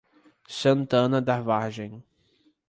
Santana da Vargem